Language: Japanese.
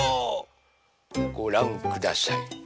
ごらんください。